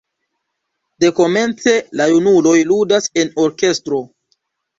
Dekomence la junuloj ludas en orkestro.